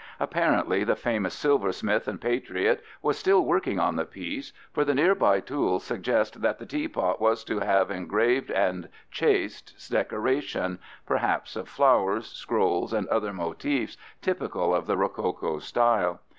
Apparently the famous silversmith and patriot was still working on the piece, for the nearby tools suggest that the teapot was to have engraved and chased decoration, perhaps of flowers, scrolls, and other motifs typical of the rococo style.